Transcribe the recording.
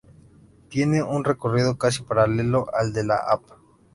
Tiene un recorrido casi paralelo al de la Av.